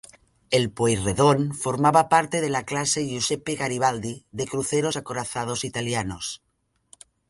El "Pueyrredón" formaba parte de la Clase Giuseppe Garibaldi de cruceros acorazados italianos.